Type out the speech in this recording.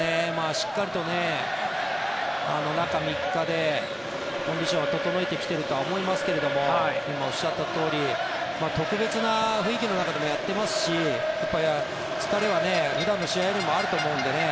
しっかりと中３日でコンディションを整えてきてるとは思いますが今、おっしゃったとおり特別な雰囲気の中でもやっていますし疲れは普段の試合でもあると思うのでね。